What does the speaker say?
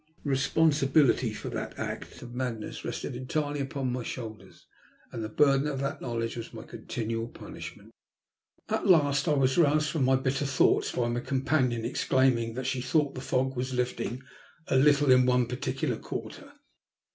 The responsibility for that act of madness rested entirely upon my shoulders, and tlie burden of that knowledge was my contiuaal punishment. 188 THE LUST OP HATE. At last I was roused from my bitter thoughts by my companion exclaiming that she thought the fog was lifting a little in one particular quarter.